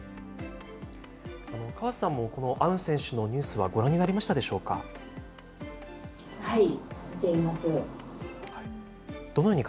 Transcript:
河瀬さんもこのアウン選手のニュースは、ご覧になりましたではい、見ています。